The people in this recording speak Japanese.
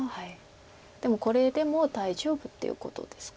でもこれでも大丈夫っていうことですか。